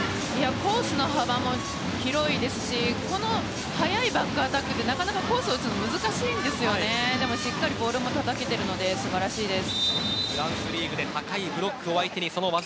コースの幅も広いですし速いバックアタックでコースを打つのが難しいのですがしっかりボールもたたけていて素晴らしいです。